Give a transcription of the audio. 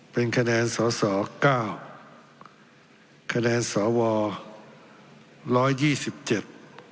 เป็นคะแนนสอสอเก้าคะแนนสอวอร้อยยี่สิบเจ็ด